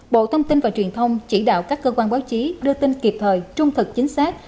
bộ thông tin và truyền thông chỉ đạo các cơ quan báo chí đưa tin kịp thời trung thực chính xác